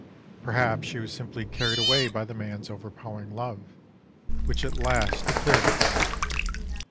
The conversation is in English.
Perhaps she was simply carried away by the man's overpowering love, which at last declared itself.